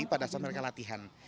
pada saat mereka latihan